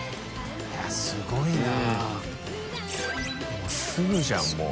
もうすぐじゃんもう。